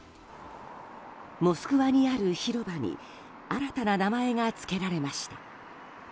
モスクワにある広場に新たな名前が付けられました。